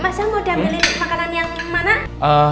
mas kamu udah pilih makanan yang mana